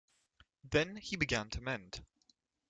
Then he began to mend.